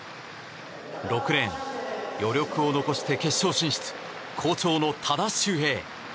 ６レーン、余力を残して決勝進出好調の多田修平。